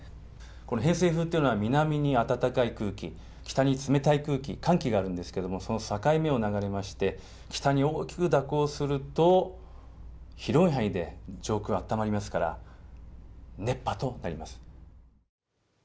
この偏西風というのは南に暖かい空気、北に冷たい空気、寒気があるんですけれども、その境目を流れまして、北に大きく蛇行すると、広い範囲で上空暖まりますから、熱波となります。